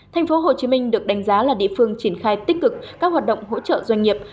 thành phố hồ chí minh được đánh giá là địa phương triển khai tích cực các hoạt động hỗ trợ doanh nghiệp